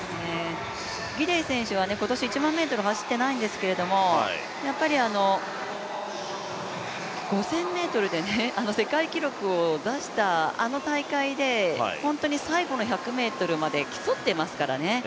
ギデイ選手は今年１００００ｍ走ってないんですけれども、５０００ｍで世界記録を出したあの大会で本当に最後の１００ｍまで競っていますからね。